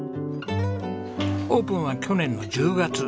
オープンは去年の１０月。